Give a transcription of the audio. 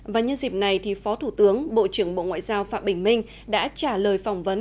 và nhân dịp này phó thủ tướng bộ trưởng bộ ngoại giao phạm bình minh đã trả lời phỏng vấn